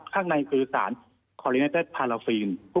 ข้างในคือสารคอลิเนอร์เตอร์พาราฟีน